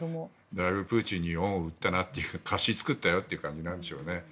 だいぶプーチンに恩を売ったな貸しを作ったという感じなんでしょうね。